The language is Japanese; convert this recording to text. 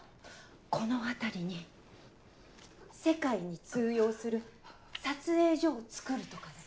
この辺りに世界に通用する撮影所をつくるとかで。